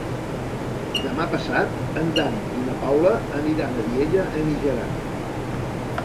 Demà passat en Dan i na Paula aniran a Vielha e Mijaran.